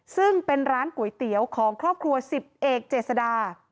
ซึ่งเป็นร้านก๋วยเตี๋ยวของครอบครัว๑๐เอกเจษดา